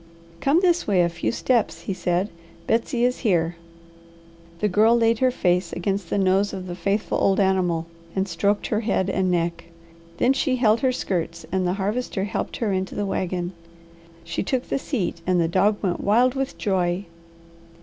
"Come this way a few steps," he said. "Betsy is here." The Girl laid her face against the nose of the faithful old animal, and stroked her head and neck. Then she held her skirts and the Harvester helped her into the wagon. She took the seat, and the dog went wild with joy.